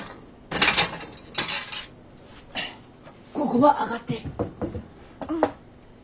ここば上がって。